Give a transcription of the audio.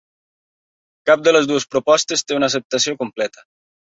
Cap de les dues propostes té una acceptació completa.